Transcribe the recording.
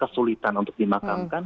kesulitan untuk dimakamkan